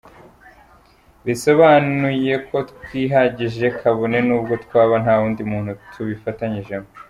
Bisobanuye ko twihagije kabone n’ubwo twaba nta wundi muntu tubifatanyijemo”.